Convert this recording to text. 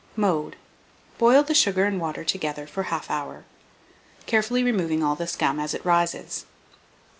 Mode. Boil the sugar and water together for 1/2 hour, carefully removing all the scum as it rises.